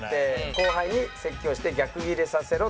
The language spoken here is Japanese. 後輩に説教して逆ギレさせろという。